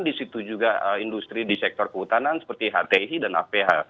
di situ juga industri di sektor kehutanan seperti hti dan aph